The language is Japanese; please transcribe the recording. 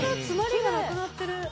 詰まりがなくなってる。